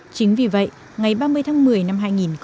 chính vì vậy ngày ba mươi tháng một mươi năm hai nghìn một mươi chín